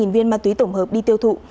một mươi viên ma túy tổng hợp đi tiêu thụ